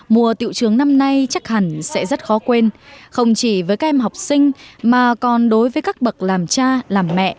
mùa tiệu trường năm nay chắc hẳn sẽ rất khó quên không chỉ với các em học sinh mà còn đối với các bậc làm cha làm mẹ